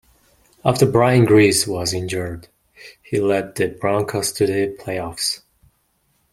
After Brian Griese was injured, he led the Broncos to the playoffs.